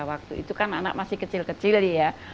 waktu itu kan anak masih kecil kecil ya